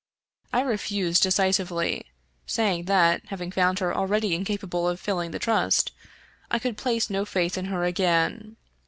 I refused decisively, say ing that, having found her already incapable of filling the trust, I could place no faith in her again.